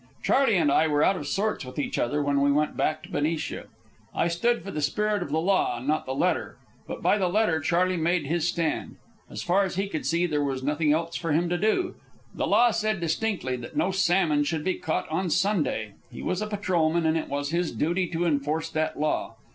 Charley and I were out of sorts with each other when we went back to Benicia. I stood for the spirit of the law and not the letter; but by the letter Charley made his stand. As far as he could see, there was nothing else for him to do. The law said distinctly that no salmon should be caught on Sunday. He was a patrolman, and it was his duty to enforce that law.